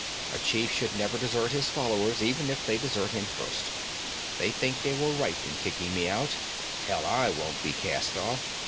A chief should never desert his followers, even if they desert him first. They think they were right in kicking me out hell, I won't be cast off!